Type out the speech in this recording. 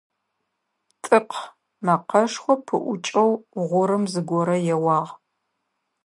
«ТӀыкъ» мэкъэшхо пыӀукӀэу гъурым зыгорэ еуагъ.